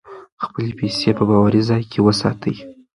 خپلې پیسې په باوري ځای کې وساتئ.